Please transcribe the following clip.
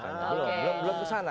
belum belum kesana